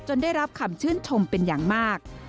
ได้รับคำชื่นชมเป็นอย่างมาก